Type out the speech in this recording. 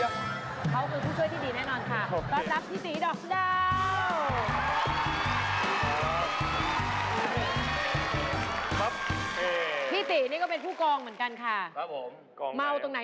เค้าก็คือผู้ช่วยที่ดีแน่นอนค่ะ